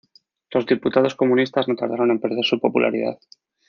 Los diputados comunistas no tardaron en perder su popularidad.